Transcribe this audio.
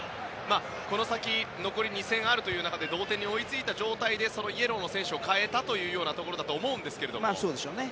この先、残り２戦ある中で同点に追いついた状態でイエローの選手を代えたというところだと思いますが。